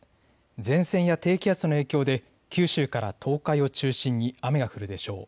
前線や低気圧の影響で九州から東海を中心に雨が降るでしょう。